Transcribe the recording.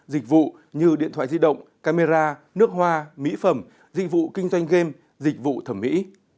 dịch vụ như điện thoại di động camera nước hoa mỹ phẩm dịch vụ kinh doanh game dịch vụ thẩm mỹ